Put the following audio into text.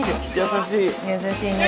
優しいね。